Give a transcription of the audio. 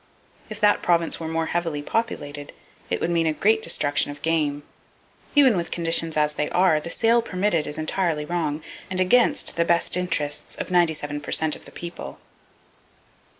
If that province were more heavily populated, it would mean a great destruction of game. Even with conditions as they are, the sale permitted is entirely wrong, and against the best interests of 97 per cent of the people.